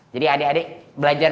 jadi adik adik belajar